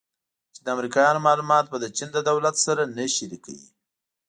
چې د امریکایانو معلومات به د چین له دولت سره نه شریکوي